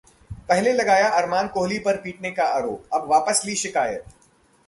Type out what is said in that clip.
पहले लगाया अरमान कोहली पर पीटने का आरोप, अब वापस ली शिकायत